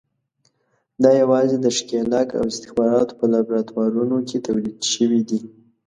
دا یوازې د ښکېلاک او استخباراتو په لابراتوارونو کې تولید شوي دي.